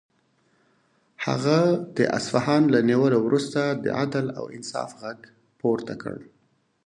هغه د اصفهان له نیولو وروسته د عدل او انصاف غږ پورته کړ.